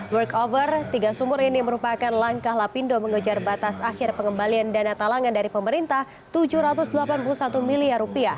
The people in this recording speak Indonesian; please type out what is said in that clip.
workover tiga sumur ini merupakan langkah lapindo mengejar batas akhir pengembalian dana talangan dari pemerintah rp tujuh ratus delapan puluh satu miliar